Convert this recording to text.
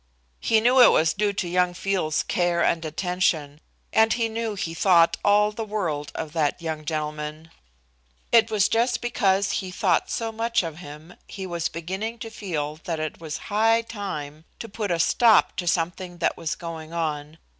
He knew it was due to young Field's care and attention, and he knew he thought all the world of that young gentleman. It was just because he thought so much of him he was beginning to feel that it was high time to put a stop to something that was going on.